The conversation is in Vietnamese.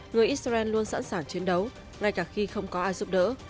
người israel luôn sẵn sàng chiến đấu ngay cả khi không có ai giúp đỡ